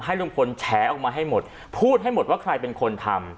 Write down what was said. ลุงพลแฉออกมาให้หมดพูดให้หมดว่าใครเป็นคนทำ